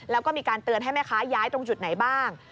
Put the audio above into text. แล้วก็มีการเตือนให้แม่ค้าย้ายตรงจุดไหนบ้าง